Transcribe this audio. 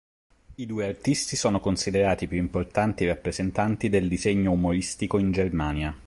I due artisti sono considerati i più importanti rappresentanti del disegno umoristico in Germania.